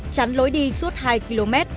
chắn lối đi suốt hai km